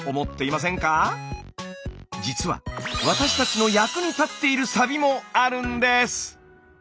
実は私たちの役に立っているサビもあるんです。